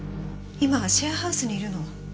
今シェアハウスにいるの。